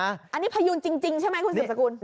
อันนี้พยูนจริงใช่ไหมคุณสืบสกุล